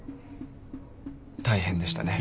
大変でしたね。